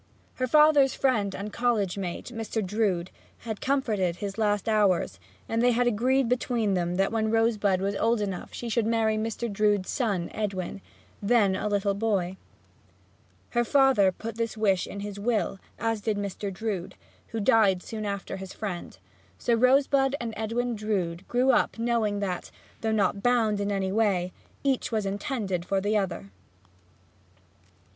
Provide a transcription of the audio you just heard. Her father's friend and college mate, a Mr. Drood, had comforted his last hours, and they had agreed between them that when Rosebud was old enough she should marry Mr. Drood's son Edwin, then a little boy. Her father put this wish in his will, as did Mr. Drood, who died also soon after his friend, and so Rosebud and Edwin Drood grew up knowing that, though not bound in any way, each was intended for the other.